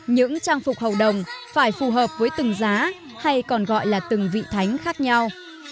những trang phục hầu đồng phải phù hợp với từng giá hay còn gọi là từng vị thánh khác nhau